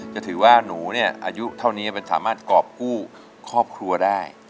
จะถือว่านรูเนี่ยอายุเนี่ยเป็นสถามารถกรอบกู้ครอบครัวได้